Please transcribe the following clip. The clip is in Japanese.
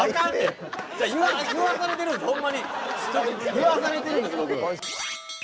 言わされてるんです僕。